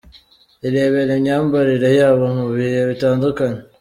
Irebere imyambarire yabo mu bihe bitandukanye:.